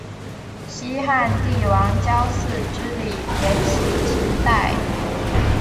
西汉帝王郊祀之礼沿袭秦代。